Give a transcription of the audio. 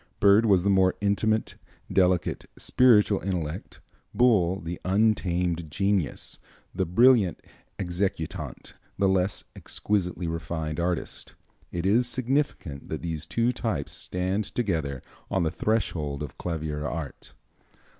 Byrd was the more intimate, delicate, spiritual intellect; Bull the untamed genius, the brilliant executant, the less exquisitely refined artist. It is significant that these two types stand together on the threshold of clavier art."